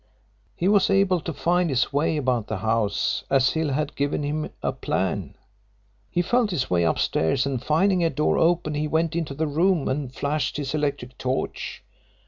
He was able to find his way about the house as Hill had given him a plan. He felt his way upstairs and finding a door open he went into the room and flashed his electric torch.